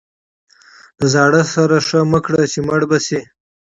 د زاړه سره ښه مه کړه چې مړ به شي.